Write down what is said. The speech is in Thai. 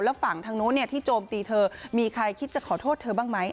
แล้วฝั่งทางนู้นที่โจมตีเธอมีใครคิดจะขอโทษเธอบ้างไหม